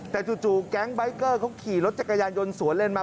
แต่จู่แก๊งใบเกอร์เขาขี่รถจักรยานยนต์สวนเล่นมา